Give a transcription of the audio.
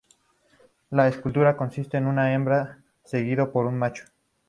La escultura consiste en una hembra seguido por un macho.